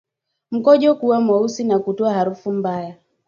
Mkojo kuwa mweusi na kutoa harufu mbaya